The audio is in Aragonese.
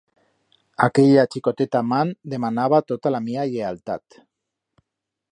Aquella chicoteta man demanaba tota la mía llealtat.